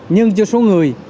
nhưng chưa số người